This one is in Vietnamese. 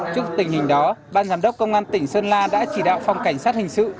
trước tình hình đó ban giám đốc công an tỉnh sơn la đã chỉ đạo phòng cảnh sát hình sự